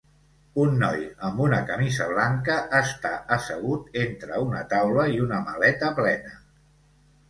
Un noi amb una camisa blanca està assegut entre una taula i una maleta plena.